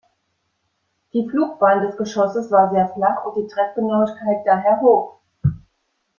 Die Flugbahn des Geschosses war sehr flach und die Treffgenauigkeit daher hoch.